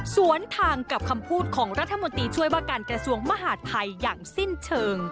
สวนทางกับคำพูดของรัฐมนตรีช่วยว่าการกระทรวงมหาดไทยอย่างสิ้นเชิง